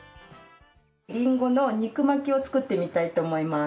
リンゴの肉巻きを作ってみたいと思います。